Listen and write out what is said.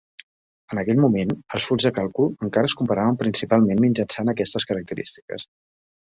En aquell moment, els fulls de càlcul encara es comparaven principalment mitjançant aquestes característiques.